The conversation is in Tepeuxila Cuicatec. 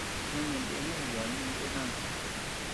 Ñoʼö ñeʼë ndeyen yeabeanu nee nanta.